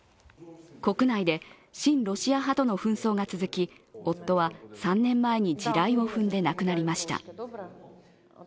国内で親ロシア派との紛争が続き夫は３年前に地雷を踏んで亡くなりました。